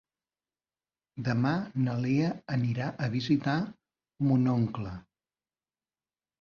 Demà na Lea anirà a visitar mon oncle.